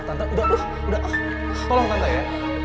tante udah ah tolong tante ya